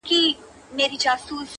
نه شاهین به یې له سیوري برابر کړي-